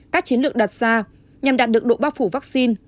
các chiến lược đặt ra nhằm đạt được độ bao phủ vaccine